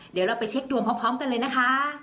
เดี๋ยวเราไปเช็คดวงพร้อมกันเลยนะคะ